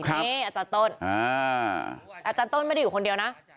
นี่อาจารย์ต้นอาจารย์ต้นไม่ได้อยู่คนเดียวนะ